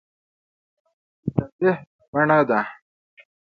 ډرامه د تفریح یوه بڼه ده